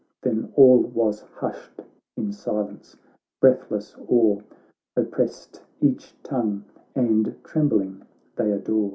Then all was hushed in silence — breath less awe Opprest each tongue, and trembling they adore.